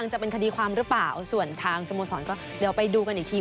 จะเป็นคดีความหรือเปล่าส่วนทางสโมสรก็เดี๋ยวไปดูกันอีกที